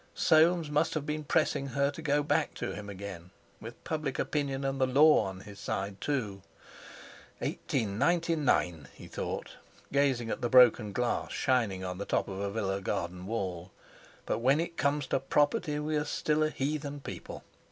Soames must have been pressing her to go back to him again, with public opinion and the Law on his side, too! "Eighteen ninety nine!," he thought, gazing at the broken glass shining on the top of a villa garden wall; "but when it comes to property we're still a heathen people!